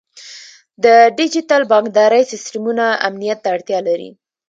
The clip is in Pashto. د ډیجیټل بانکدارۍ سیستمونه امنیت ته اړتیا لري.